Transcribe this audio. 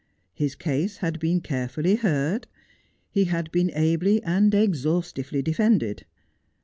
His case had been care fully heard. He had been ably and exhaustively defended.